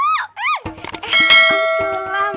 eh om sulam